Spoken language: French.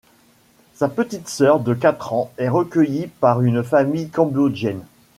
Sa petite sœur de quatre ans est recueillie par une famille cambodgienne.